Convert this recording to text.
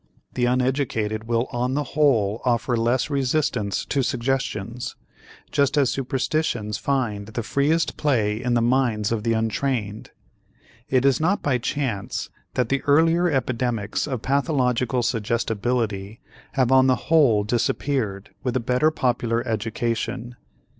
The uneducated will on the whole offer less resistance to suggestions, just as superstitions find the freest play in the minds of the untrained. It is not by chance that the earlier epidemics of pathological suggestibility have on the whole disappeared with the better popular education.